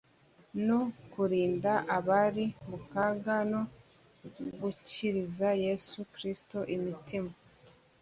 no kurinda abari mu kaga no gukiriza Yesu Kristo imitima.